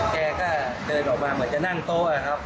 แกก็เดินออกมาเหมือนจะนั่งโต๊ะครับ